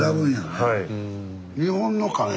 はい。